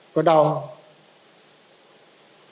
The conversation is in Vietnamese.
có đau không